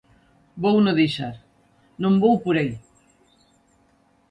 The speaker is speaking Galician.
Vouno deixar, non vou por aí.